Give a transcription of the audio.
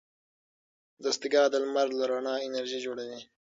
دستګاه د لمر له رڼا انرژي جوړوي.